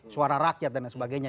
suara rakyat dan lain sebagainya